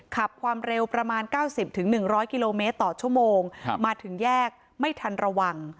ขับความเร็วประมาณ๙๐๑๐๐กิโลเมตรต่อชั่วโมงมาถึงแยกไม่ทันระวัง